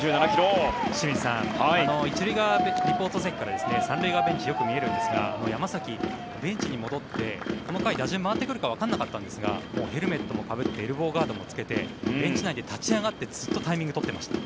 清水さん、１塁側リポート席から３塁側ベンチがよく見えるんですが山崎、ベンチに戻ってこの回、打順が回ってくるかわからなかったんですがヘルメットもかぶってエルボーガードもつけてベンチ内で立ち上がって、ずっとタイミングを取っていました。